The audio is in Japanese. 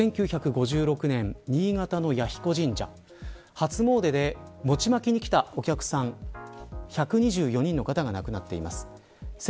１９５６年新潟の弥彦神社の初詣で餅まきに来たお客さん１２４人の方が亡くなっています。